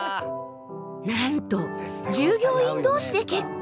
なんと従業員同士で結婚！